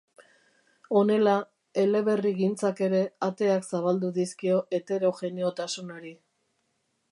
Honela, eleberrigintzak ere ateak zabaldu dizkio heterogeneotasunari.